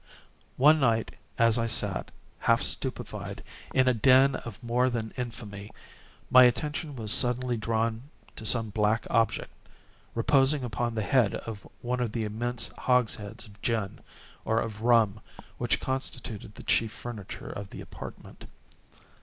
One night as I sat, half stupefied, in a den of more than infamy, my attention was suddenly drawn to some black object, reposing upon the head of one of the immense hogsheads of gin, or of rum, which constituted the chief furniture of the apartment.